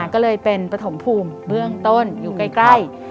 ก็เลยเป็นปฐมภูมิเบื้องต้นอยู่ใกล้